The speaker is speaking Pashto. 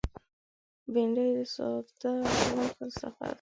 بېنډۍ د ساده ژوند فلسفه ده